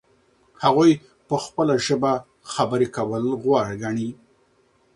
هغوی په خپله ژبه خبرې کول غوره ګڼي.